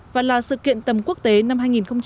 và là sự kiện tầm quốc tế năm hai nghìn một mươi chín